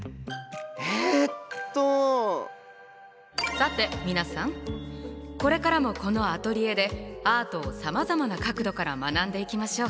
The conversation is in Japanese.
さて皆さんこれからもこのアトリエでアートをさまざまな角度から学んでいきましょう。